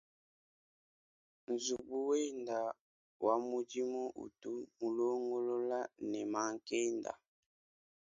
Nzubu wenda wa mudimu utu anu mulongolola ne mankenda.